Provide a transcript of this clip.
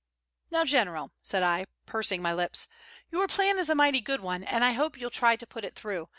"Now, General," said I, pursing my lips, "your plan is a mighty good one, and I hope you'll try to put it through.